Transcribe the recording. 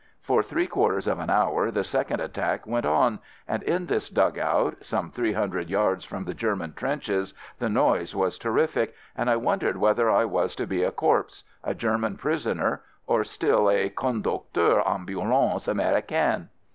For three quarters of an hour the second attack went on, and in this dugout, some three hundred yards from the German trenches, the noise was terrific, and I wondered whether I was to be a corpse, a German prisoner, or still a "Conducteur Ambulance Americaine"!